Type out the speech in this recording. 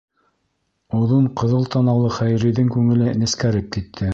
Оҙон ҡыҙыл танаулы Хәйриҙең күңеле нескәреп китте.